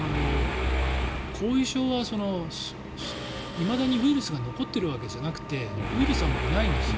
後遺症はいまだにウイルスが残っているわけじゃなくてウイルスはもういないんです。